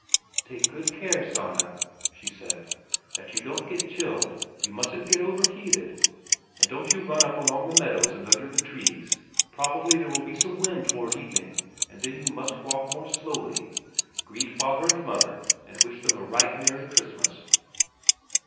"Take good care, Sanna," she said, "that you don't get chilled, you mustn't get overheated. And don't you run up along the meadows and under the trees. Probably there will be some wind toward evening, and then you must walk more slowly. Greet father and mother and wish them a right merry Christmas."